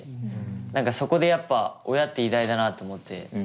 何かそこでやっぱ親って偉大だなと思って。